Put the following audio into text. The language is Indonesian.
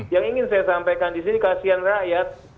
yang ingin saya sampaikan disini kasihan rakyat